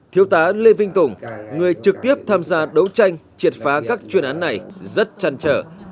thiếu tá lê vinh tùng người trực tiếp tham gia đấu tranh triệt phá các chuyên án này rất chăn trở